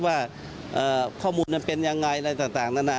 ว่าข้อมูลมันเป็นยังไงอะไรต่างนานา